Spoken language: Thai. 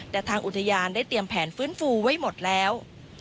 แต่ทางอุทยานได้เตรียมแผนฟื้นฟูไว้หมดแล้ว